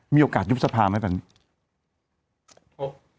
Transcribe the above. มีโอกาสยุทธภาพไหมแปลงนี้